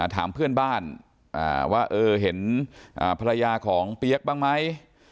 ถามเพื่อนบ้านว่าเห็นภรรยาของเปี๊ยกบ้างไหม